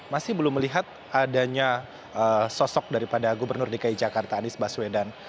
masih belum melihat adanya sosok daripada gubernur dki jakarta anies baswedan